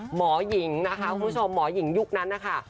หมอยิงนะคะมอหญิงว่านั้นนะคะ